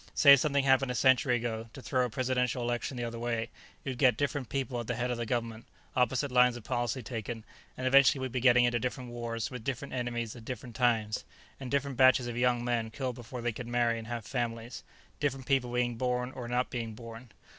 Say something happened a century ago, to throw a presidential election the other way. You'd get different people at the head of the government, opposite lines of policy taken, and eventually we'd be getting into different wars with different enemies at different times, and different batches of young men killed before they could marry and have families different people being born or not being born.